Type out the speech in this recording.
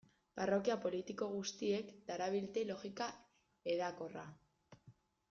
Parrokia politiko guztiek darabilte logika hedakorra.